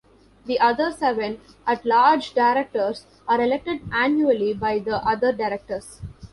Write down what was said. The other seven at-large directors are elected annually by the other Directors.